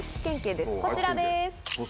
こちらです。